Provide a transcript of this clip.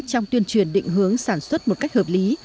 trong tuyên truyền định hướng sản xuất một cách hợp lý